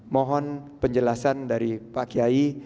mohon penjelasan dari pak kiai